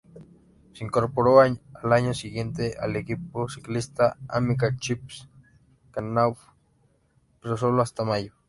Se incorporó al año siguiente al equipo ciclista Amica Chips-Knauf pero sólo hasta mayo.